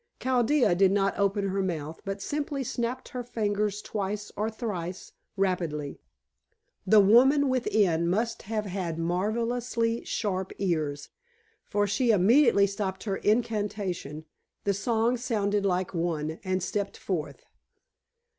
Chaldea did not open her mouth, but simply snapped her fingers twice or thrice rapidly. The woman within must have had marvellously sharp ears, for she immediately stopped her incantation the songs sounded like one and stepped forth.